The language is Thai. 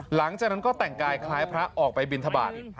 หลังจากนั้นก็แต่งกายคล้ายพระออกไปบินทบาท